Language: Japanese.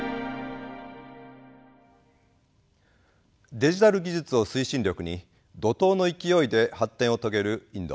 デジタル技術を推進力に怒とうの勢いで発展を遂げるインド。